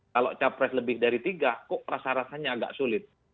kalau capres lebih dari tiga kok rasa rasanya agak sulit